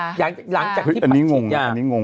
หลังจากที่ฉีดยาอันนี้งงอันนี้งง